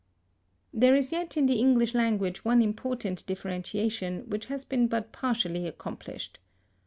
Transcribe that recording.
There is yet in the English language one important differentiation which has been but partially accomplished.